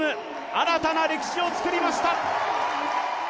新たな歴史を作りました。